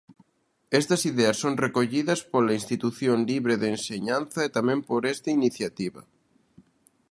Estas ideas son recollidas pola Institución Libre de Enseñanza e tamén por esta iniciativa.